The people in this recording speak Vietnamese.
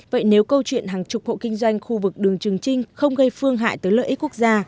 vậy nếu câu chuyện hàng chục hộ kinh doanh khu vực đường trường trinh không gây phương hại tới lợi ích quốc gia